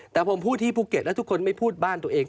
แต่ผมพูดที่ภูเก็ตแล้วทุกคนไม่พูดบ้านตัวเอง